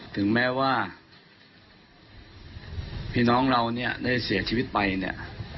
ถึงแม้ว่าพี่น้องเราเนี่ยได้เสียชีวิตไปเนี่ย